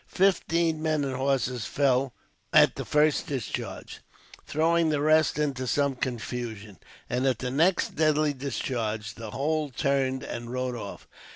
Fifteen men and horses fell at the first discharge, throwing the rest into some confusion; and at the next deadly discharge, the whole turned and rode off.